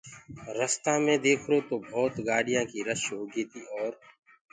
رستآ مي ديکرو تو ڀوتَ گآڏيآنٚ ڪي رش هوگيٚ تيٚ اور